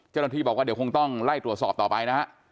เจ้าหน้าที่บอกว่าเดี๋ยวคงต้องไล่ตรวจสอบต่อไปนะฮะ